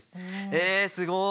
えすごい！